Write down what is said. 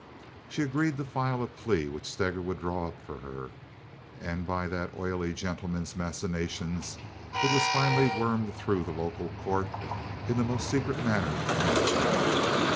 She agreed to file a plea which Steger would draw up for her, and by that oily gentleman's machinations it was finally wormed through the local court in the most secret manner imaginable.